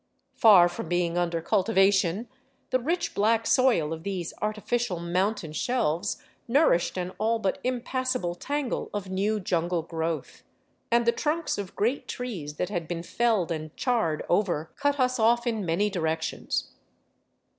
Far from being under cultivation, the rich, black soil of these artificial mountain shelves nourished an all but impassable tangle of new jungle growth; and the trunks of great trees that had been felled and charred over cut us off in many directions.